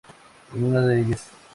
En una de ellas.